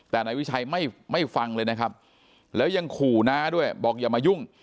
แต่นายวิชัยไม่ฟังเลยนะครับแล้วยังขู่น้าด้วยบอกอย่ามายุ่ง